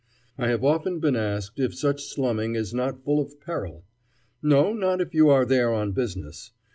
I have often been asked if such slumming is not full of peril. No, not if you are there on business.